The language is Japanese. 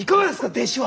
弟子は。